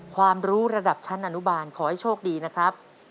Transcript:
ความรู้ระดับชั้นอนุบาลขอให้โชคดีนะครับ